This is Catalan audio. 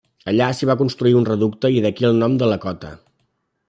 Allà s'hi va construir un reducte i d'aquí el nom de la cota.